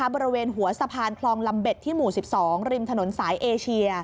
บริเวณหัวสะพานคลองลำเบ็ดที่หมู่๑๒ริมถนนสายเอเชีย